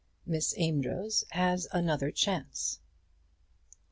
MISS AMEDROZ HAS ANOTHER CHANCE.